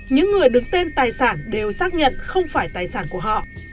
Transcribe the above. những người đứng tên tài sản đều xác nhận không phải tài sản của họ